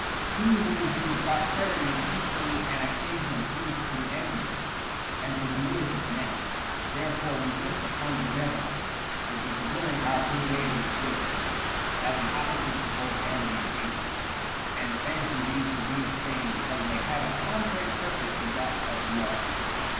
He who is in prosperity is equally an occasion of grief to the envious and to the mali cious man ; therefore we look upon benevolence, which is a willing our neighbor's good, as an opposite to both envy and hatred, and fancy these two to be the same because they have a contrary purpose to that of love.